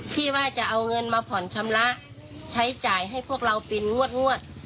ที่ว่าจะเอาเงินมาผ่อนชำระใช้จ่ายให้พวกเราเป็นงวด